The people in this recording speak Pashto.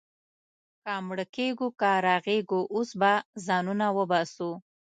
که مړه کېږو، که رغېږو، اوس به ځانونه وباسو.